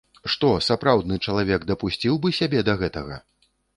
Што, сапраўдны чалавек дапусціў бы сябе да гэтага?